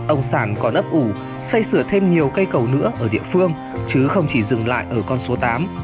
ông sản còn ấp ủ xây sửa thêm nhiều cây cầu nữa ở địa phương chứ không chỉ dừng lại ở con số tám